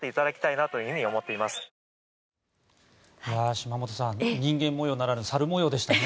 島本さん人間模様ならぬ猿模様でしたね。